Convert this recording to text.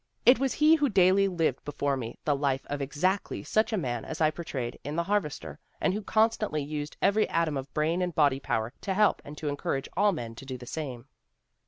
... It was he who daily lived before me flie life of exactly such a man as I portrayed in The Harvester, and who constantly used every atom of brain and body power to help and to encourage all men to do the same.'